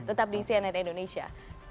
tetap di cnn indonesia